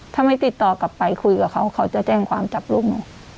ถ้าไม่ติดต่อกลับไปคุยกับเขาเขาจะแจ้งความจับลูกหนู